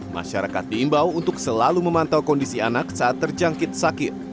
masyarakat diimbau untuk selalu memantau kondisi anak saat terjangkit sakit